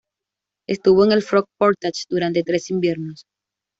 Estuvo en el Frog Portage durante tres inviernos.